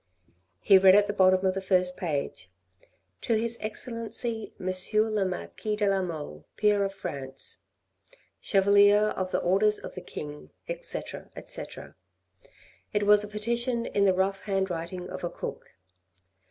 He read at the bottom of the first page " To His Excellency M. le Marquis de la Mole, peer of France, Chevalier of the Orders of the King, etc. etc." It was a petition in the rough hand writing of a cook.